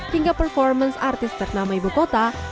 hingga performance artis ternama ibu kota